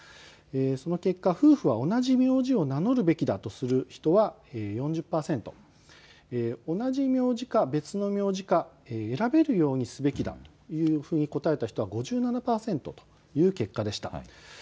その結果、夫婦は同じ名字を名乗るべきだとする人は４０％、同じ名字か、別の名字か、選べるようにすべきだというふうに答えた人は５７％という結果でした。